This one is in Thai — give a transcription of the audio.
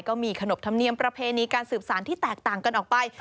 ก็มีขนบธรรมเนียมประเพณีการสืบสารที่แตกต่างกันออกไป